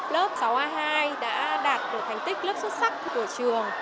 lớp sáu a hai đã đạt được thành tích lớp xuất sắc của trường